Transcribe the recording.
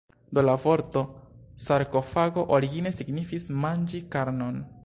Do la vorto sarkofago origine signifis "manĝi karnon".